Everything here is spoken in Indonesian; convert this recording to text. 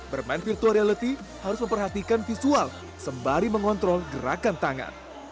bermain virtual reality harus memperhatikan visual sembari mengontrol gerakan tangan